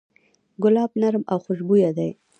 ګلاب نرم او خوشبویه دی.